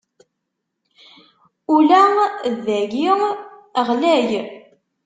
Ula d dayi ɣlay.